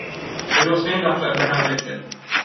It was named after Abraham Lincoln.